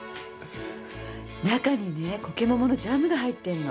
中にねコケモモのジャムが入ってるの。